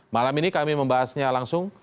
malam ini kami membahasnya langsung